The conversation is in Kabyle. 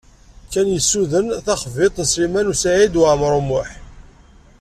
Ken yessuden taxḍibt n Sliman U Saɛid Waɛmaṛ U Muḥ.